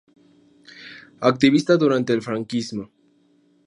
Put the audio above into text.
Activista durante el franquismo.